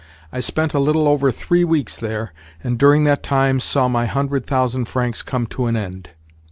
I spent a little over three weeks there, and, during that time, saw my hundred thousand francs come to an end.